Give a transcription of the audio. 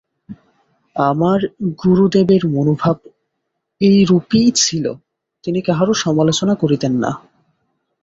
আমার গুরুদেবের মনোভাব এইরূপই ছিল, তিনি কাহারও সমালোচনা করিতেন না।